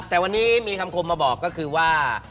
แต่วันนี้มีคำคมมาบอกก็คือว่า